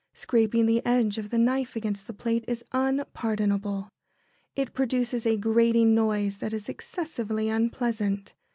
Scraping the edge of the knife against the plate is unpardonable. It produces a grating noise that is excessively unpleasant.